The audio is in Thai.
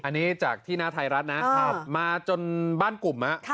อันนี้จากที่หน้าไทยรัฐนะมาจนบ้านกลุ่ม